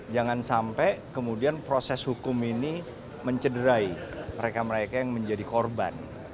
jangan sampai kemudian proses hukum ini mencederai mereka mereka yang menjadi korban